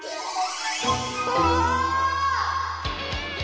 うわ！